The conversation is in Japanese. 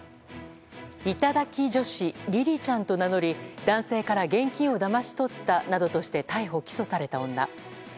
頂き女子りりちゃんと名乗り男性から現金をだまし取ったなどとして逮捕・起訴された女。